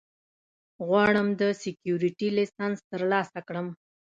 غواړم د سیکیورټي لېسنس ترلاسه کړم